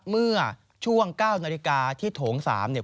เมื่อช่วง๙นาฬิกาที่โถง๓เนี่ย